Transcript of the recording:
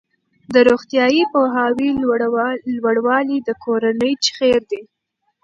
د روغتیايي پوهاوي لوړوالی د کورنۍ خیر دی.